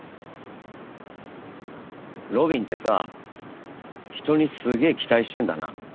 路敏ってさ人にすげえ期待してるんだな。